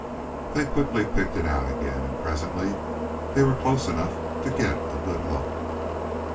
They quickly picked it out again, and presently they were close enough to get a good look.